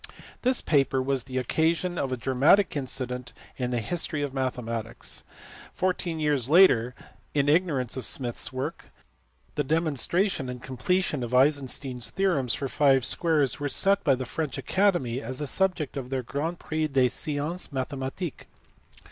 This paper was the occasion of a dramatic incident in the history of mathematics. Fourteen years later, in ignorance of Smith s work, the demonstration and completion of Eisenstein s theorems for five squares were set by the French Academy as the subject of their "Grand prix des sciences mathematiques."